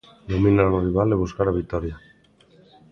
Dominar o rival e buscar a vitoria.